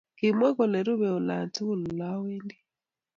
Kimwa kole rubee olatukul olewendi